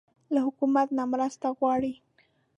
له حکومت نه مرسته غواړئ؟